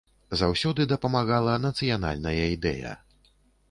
Заўсёды дапамагала нацыянальная ідэя.